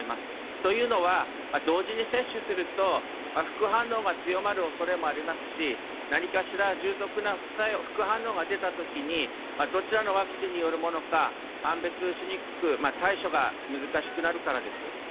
というのは、同時に接種すると副反応が強まるおそれもありますし何かしら重篤な副反応が出たときにどちらのワクチンによるものか判別しにくく対処が難しいからです。